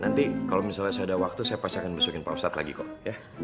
nanti kalau misalnya saya ada waktu saya pasti akan besokin pak ustadz lagi kok ya